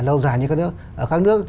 lâu dài như các nước ở các nước